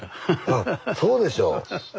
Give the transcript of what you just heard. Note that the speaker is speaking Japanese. あそうでしょう。